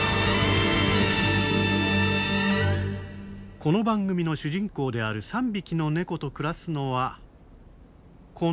この番組の主人公である３匹のネコと暮らすのはこの男。